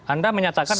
anda menyatakan ada